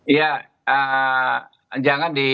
iya jangan di